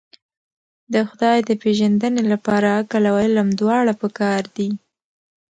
د خدای د پېژندنې لپاره عقل او علم دواړه پکار دي.